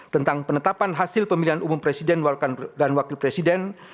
tentang penetapan hasil pemilihan umum presiden dan wakil presiden